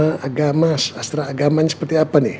dharma agama sastra agama seperti apa nih